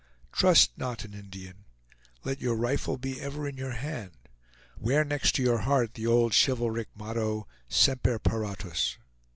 Trust not an Indian. Let your rifle be ever in your hand. Wear next your heart the old chivalric motto SEMPER PARATUS.